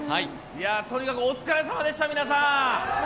とにかくお疲れさまでした、皆さん。